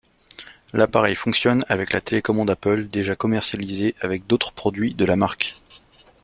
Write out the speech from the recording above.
L'appareil fonctionne avec la télécommande Apple déjà commercialisée avec d'autres produits de la marque.